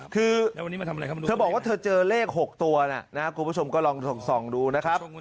คือเธอบอกว่าเธอเจอเลข๖ตัวนะครับคุณผู้ชมก็ลองส่องดูนะครับ